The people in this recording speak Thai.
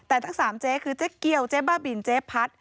แต่ทั้ง๓เจ๊คือเจ๊เกี้ยวเจ๊บ้าบินเจ๊พัด